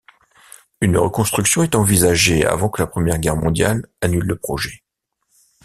Une reconstruction est envisagée avant que la Première Guerre mondiale annule le projet.